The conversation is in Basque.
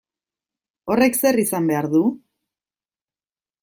Horrek zer izan behar du?